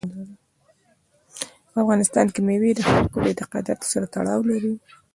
په افغانستان کې مېوې د خلکو د اعتقاداتو سره تړاو لري.